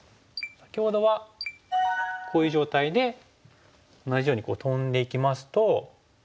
先ほどはこういう状態で同じようにトンでいきますと